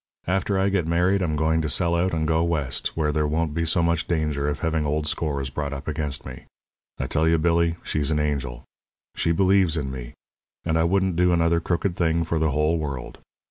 After I get married I'm going to sell out and go West, where there won't be so much danger of having old scores brought up against me. I tell you, Billy, she's an angel. She believes in me; and I wouldn't do another crooked thing for the whole world.